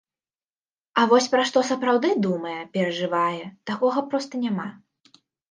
А вось пра што сапраўды думае, перажывае, такога проста няма.